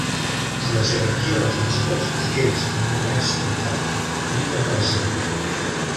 En la jerarquia dels mascles, aquells amb un rang similar lluiten per ascendir.